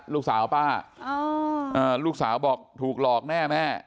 ลูกสาวป้าลูกสาวบอกถูกหลอกแน่แม่